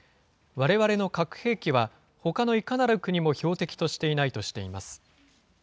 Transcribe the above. われわれの核兵器は、ほかのいかなる国も標的としていないとしています。